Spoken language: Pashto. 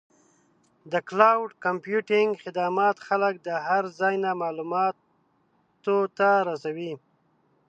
د کلاؤډ کمپیوټینګ خدمات خلک د هر ځای نه معلوماتو ته رسوي.